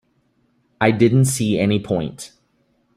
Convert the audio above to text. I didn't see any point.